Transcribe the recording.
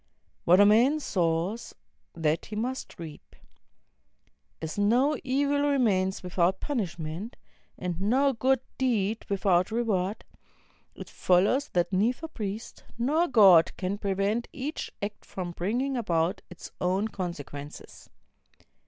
What a man sows, that he must reap. As no e\al remains without punishment, and no good deed without reward, it follows that neither priest nor God can prevent each act from bringing about its own consequences.